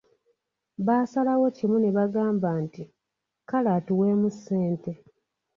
Baasalawo kimu ne bagamba nti:"kale atuweemu ssente"